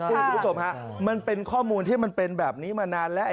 คุณผู้ชมฮะมันเป็นข้อมูลที่มันเป็นแบบนี้มานานแล้ว